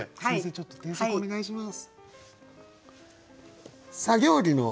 ちょっと添削をお願いします。